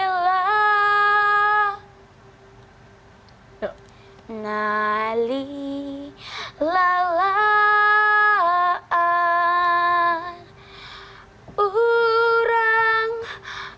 jangan ngerti lagi yang itu avi ncontbok aja ya tapi diedep aja dah kita langsung